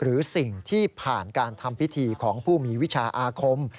หรือสิ่งที่ผ่านการทำพิธีของผู้มีวิชาอาคม